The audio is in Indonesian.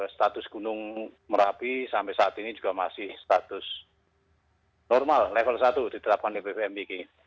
status gunung merapi sampai saat ini juga masih status normal level satu ditetapkan di bvmbg